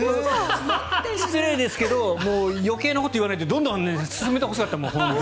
失礼ですけど余計なこと言わないでどんどん進めてほしかった。